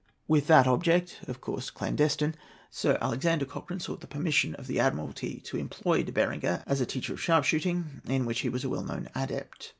With that object—of course clandestine—Sir Alexander Cochrane sought the permission of the Admiralty to employ De Berenger as a teacher of sharp shooting, in which he was a well known adept.